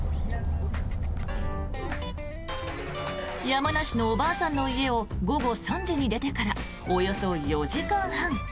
山梨のおばあさんの家を午後３時に出てからおよそ４時間半。